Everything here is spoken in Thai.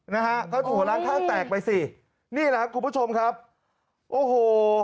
นี่แหละครับคุณผู้ชมครับโอ้โห